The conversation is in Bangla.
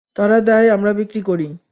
তারা দেয় আমরা বিক্রি করি।